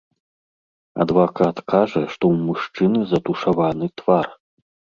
Адвакат кажа, што ў мужчыны затушаваны твар.